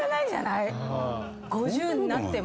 ５０になっても。